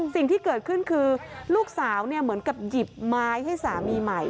สิ่งที่เกิดขึ้นคือลูกสาวเหมือนกับหยิบไม้ให้สามีใหม่